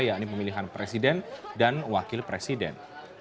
yakni pemilihan presiden dan wakil presiden